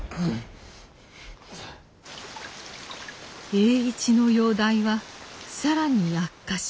栄一の容体は更に悪化し。